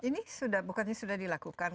ini bukannya sudah dilakukan